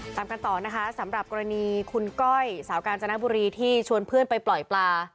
ตามกันต่อนะคะสำหรับกรณีคุณก้อยสาวกาญจนบุรีที่ชวนเพื่อนไปปล่อยปลา